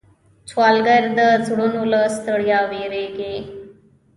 سوالګر د زړونو له ستړیا ویریږي